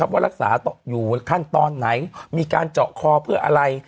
ว่ารักษาอยู่ขั้นตอนไหนมีการเจาะคอเพื่ออะไร